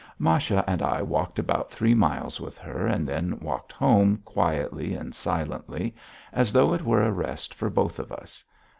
Masha and I walked about three miles with her, and then walked home quietly and silently, as though it were a rest for both of us.